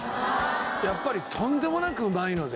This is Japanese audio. やっぱりとんでもなくうまいので。